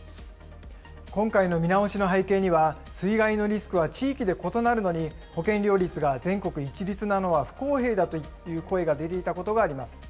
今回の見直しの背景には、水害のリスクは地域で異なるのに、保険料率が全国一律なのは不公平だという声が出ていたことがあります。